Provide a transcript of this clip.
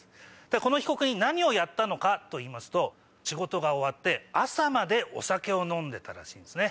この被告人何をやったのかといいますと仕事が終わって朝までお酒を飲んでたらしいんですね。